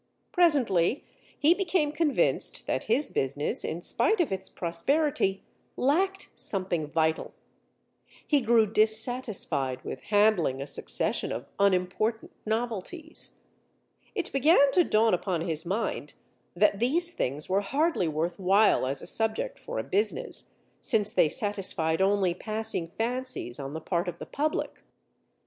Presently he became convinced that his business, in spite of its prosperity, lacked something vital. He grew dissatisfied with handling a succession of unimportant novelties. It began to dawn upon his mind that these things were hardly worth while as a subject for a business, since they satisfied only passing fancies on the part of the public.